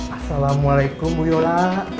assalamualaikum bu yola